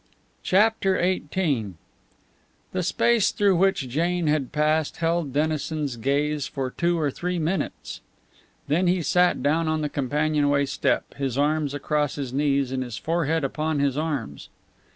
CHAPTER XVIII The space through which Jane had passed held Dennison's gaze for two or three minutes. Then he sat down on the companionway step, his arms across his knees and his forehead upon his arms.